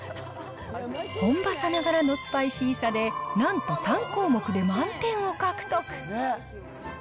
本場さながらのスパイシーさで、なんと３項目で満点を獲得。